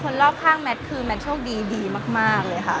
รอบข้างแมทคือแมทโชคดีดีมากเลยค่ะ